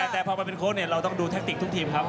แต่พอมาเป็นโค้ดเราต้องดูแทคติกทุกทีมครับ